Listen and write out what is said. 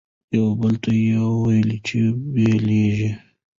یوه بل ته یې ویله چي بیلیږو